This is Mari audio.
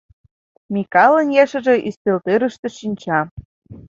Микалын ешыже ӱстелтӧрыштӧ шинча.